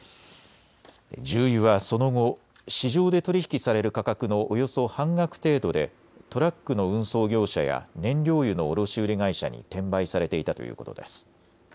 重油はその後、市場で取り引きされる価格のおよそ半額程度でトラックの運送業者や燃料油の卸売会社に転売されていたということです。